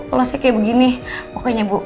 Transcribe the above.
kalau saya kayak begini pokoknya bu